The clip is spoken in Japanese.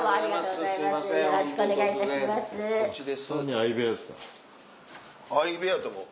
相部屋やと思う。